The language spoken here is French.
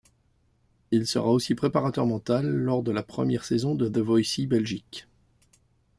Il sera aussi préparateur mental lors de la première saison de The Voici Belgique.